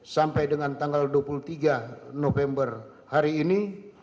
sampai dengan tanggal dua puluh tiga november hari ini